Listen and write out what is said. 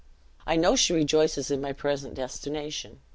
I know she rejoices in my present destination.